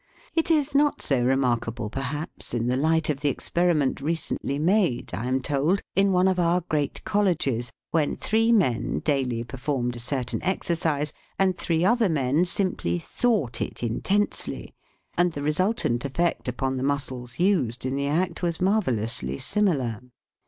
It is not so remarkable, perhaps, in the light of the experiment recently made (I am told) in one of our great colleges, when three men daily performed a certain exercise, and three other men simply thought it intensely, and the re sultant effect upon the muscles used in the act was marvellously similar.